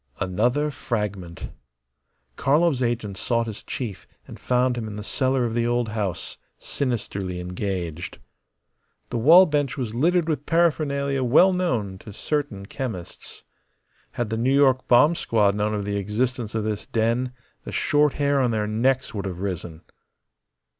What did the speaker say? Another fragment. Karlov's agent sought his chief and found him in the cellar of the old house, sinisterly engaged. The wall bench was littered with paraphernalia well known to certain chemists. Had the New York bomb squad known of the existence of this den, the short hair on their necks would have risen.